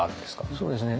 そうですね。